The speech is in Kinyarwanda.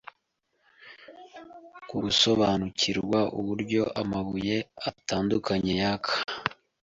ku gusobanukirwa uburyo amabuye atandukanye yaka